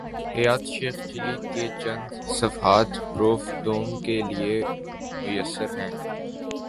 حیات شیخ چلی کے چند صفحات پروف دوم کے لیے میسر ہیں۔